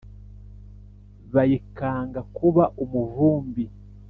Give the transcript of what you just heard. Bayikanga kuba umuvumbi